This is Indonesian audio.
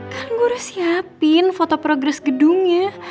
kan gue udah siapin foto progres gedungnya